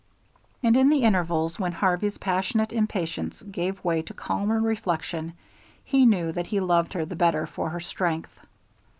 And in the intervals when Harvey's passionate impatience gave way to calmer reflection, he knew that he loved her the better for her strength.